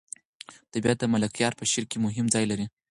طبیعت د ملکیار په شعر کې مهم ځای لري.